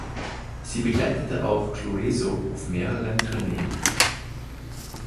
Sie begleitete auch Clueso auf mehreren Tourneen.